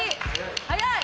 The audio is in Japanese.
早い！